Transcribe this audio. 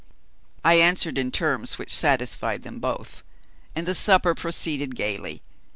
I answered in terms which satisfied them both, and the supper proceeded gaily.